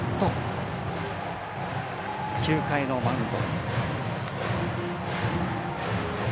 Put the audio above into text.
９回のマウンド。